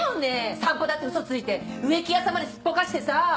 散歩だって嘘ついて植木屋さんまですっぽかしてさぁ。